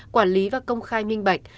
quản lý và công khai minh bạch